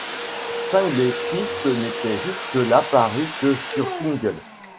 Cinq des pistes n'étaient jusque-là parues que sur single.